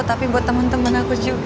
tapi buat temen temen aku juga